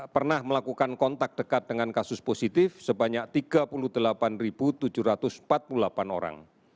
pernah melakukan kontak dekat dengan kasus positif sebanyak tiga puluh delapan tujuh ratus empat puluh delapan orang